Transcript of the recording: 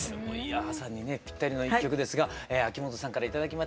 朝にねぴったりの一曲ですが秋元さんから頂きましたお写真